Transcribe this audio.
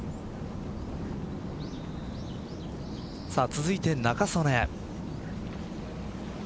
続いて仲宗根。